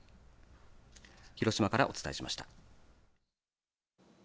広島からお伝えしました。